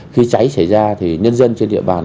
khi cháy xảy ra thì nhân dân trên địa bàn